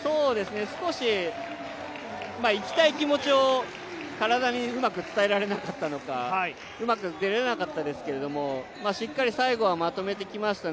少し行きたい気持ちを体にうまく伝えられなかったのかうまく出れなかったですけどしっかり最後はまとめてきました。